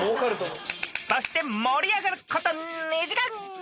［そして盛り上がること］